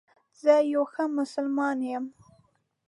زه یو ښه مسلمان یم